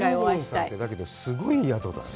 すごい宿だよね。